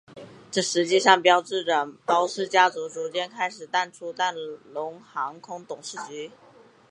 这实际上标志着包氏家族逐渐开始淡出港龙航空董事局。